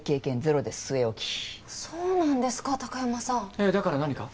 ええだから何か？